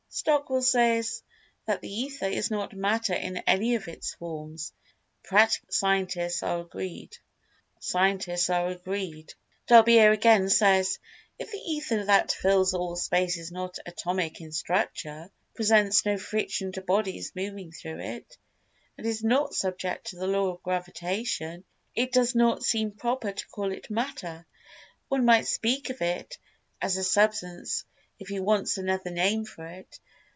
Stockwell says: "That the Ether is not Matter in any of its forms, practically all scientists are agreed. Dolbear, again, says: If the Ether that fills all space is not atomic in structure, presents no friction to bodies moving through it, and is not subject to the law of gravitation, it does not seem proper to call it Matter. One might speak of it as a substance if he wants another name for it.